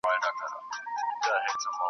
اوبه د کرنې لپاره مهمې دي.